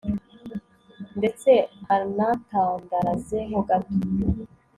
ndetse anatandaraze ho gato